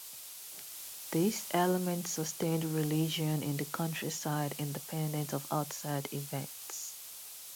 These elements sustained religion in the countryside, independent of outside events.